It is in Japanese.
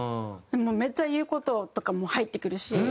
めっちゃ言う事とかも入ってくるし。